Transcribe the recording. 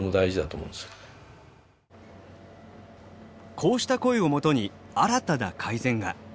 こうした声をもとに新たな改善が。